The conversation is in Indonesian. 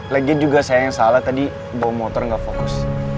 laginya juga sayang yang salah tadi bawa motor ga fokus